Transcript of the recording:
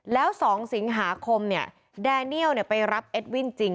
แล้ว๒สิงหาคมเนี่ยแดเนียลเนี่ยไปรับเอ็ดวินจริง